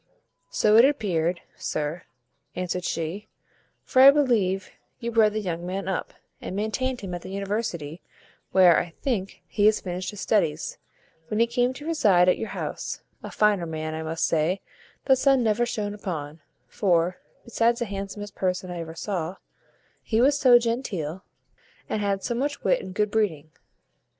"So it appeared, sir," answered she; "for I believe you bred the young man up, and maintained him at the university; where, I think, he had finished his studies, when he came to reside at your house; a finer man, I must say, the sun never shone upon; for, besides the handsomest person I ever saw, he was so genteel, and had so much wit and good breeding."